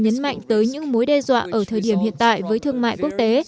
nhấn mạnh tới những mối đe dọa ở thời điểm hiện tại với thương mại quốc tế